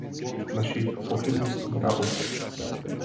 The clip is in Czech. To je důvod našich pochybností a obav.